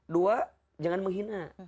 dua jangan menghina